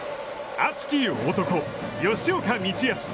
熱き男、吉岡道泰。